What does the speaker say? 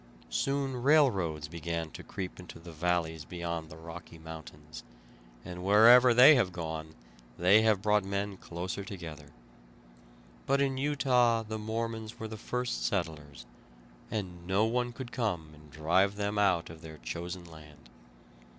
Soon railroads began to creep into the valleys beyond the Rocky Mountains, and wherever they have gone they have brought men closer together. But in Utah the Mormons were the first settlers, and no one could come and drive them out of their chosen land.